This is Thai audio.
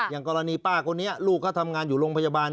อย่างกรณีป้าคนนี้ลูกเขาทำงานอยู่โรงพยาบาล